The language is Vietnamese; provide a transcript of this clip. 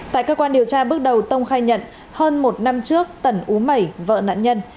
tại cơ quan điều tra bước đầu tông khai nhận hơn một năm trước tần ú mẩy vợ nạn nhân